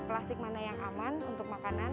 plastik mana yang aman untuk makanan